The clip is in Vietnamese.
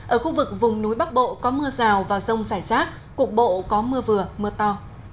ở khu vực vùng núi bắc bộ có mưa rào và rông rải rác cục bộ có mưa vừa mưa to